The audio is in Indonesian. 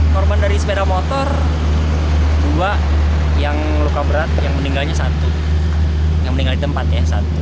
korban dari sepeda motor dua yang luka berat yang meninggalnya satu yang meninggal di tempat ya